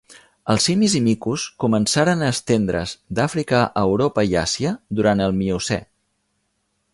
Els simis i micos començaren a estendre's d'Àfrica a Europa i Àsia durant el Miocè.